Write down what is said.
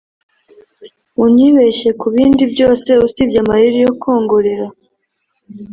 unyibeshye kubindi byose usibye amayeri yo kwongorera